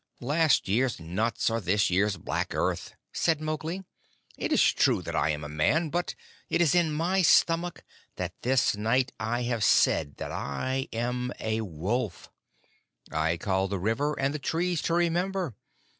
"Last year's nuts are this year's black earth," said Mowgli. "It is true that I am a Man, but it is in my stomach that this night I have said that I am a Wolf. I called the River and the Trees to remember.